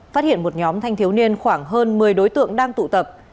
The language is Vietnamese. phát hiện một nhóm thanh thiếu niên khoảng hơn một mươi đối tượng đang tụ tập